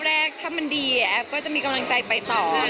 แรกถ้ามันดีแอฟก็จะมีกำลังใจไปต่อ